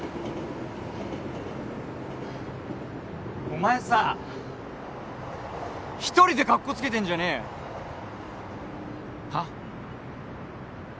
お前さ一人でかっこつけてんじゃねえよはっ？